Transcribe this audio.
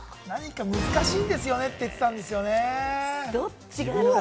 難しいですよねって言ってたんですよね。